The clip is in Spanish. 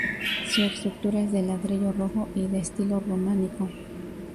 Su estructura es de ladrillo rojo y de estilo románico.